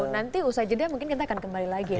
nanti usai jeda mungkin kita akan kembali lagi ya